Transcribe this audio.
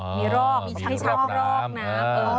อ๋อมีช้องน้ำ